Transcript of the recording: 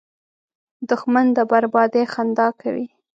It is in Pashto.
دښمن د بربادۍ خندا کوي